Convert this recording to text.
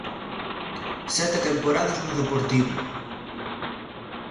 Sete temporadas no Deportivo.